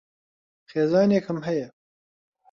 خێزانێکم ھەیە.